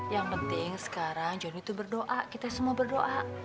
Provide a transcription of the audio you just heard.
yang penting sekarang johnny itu berdoa kita semua berdoa